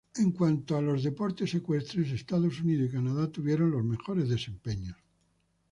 En cuanto a los deportes ecuestres, Estados Unidos y Canadá tuvieron los mejores desempeños.